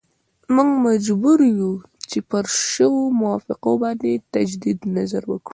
موږ مجبور یو چې پر شویو موافقو باندې تجدید نظر وکړو.